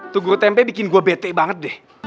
tuh guru tempe bikin gue bete banget deh